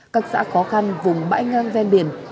các xã khó khăn vùng bãi ngang ven biển